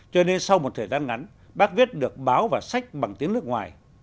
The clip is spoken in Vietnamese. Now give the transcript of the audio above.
cho nên sau một thời gian ngắn bác viết được báo và sách bằng tiếng nước ngoài